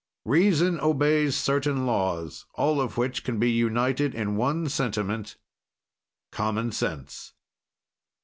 "Reason obeys certain laws, all of which can be united in one sentiment common sense."